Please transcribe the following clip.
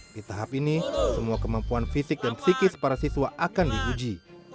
di tahap ini semua kemampuan fisik dan psikis para siswa akan diuji